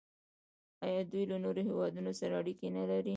آیا دوی له نورو هیوادونو سره اړیکې نلري؟